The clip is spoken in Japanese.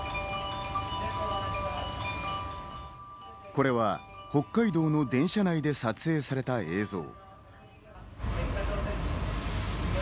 これは北海道の電車内で撮影された映像。